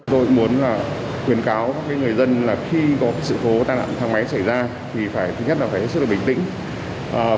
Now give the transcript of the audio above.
tôi muốn là khuyến cáo người dân là khi có sự cố tai nạn thang máy xảy ra thì phải thứ nhất là phải hết sức là bình tĩnh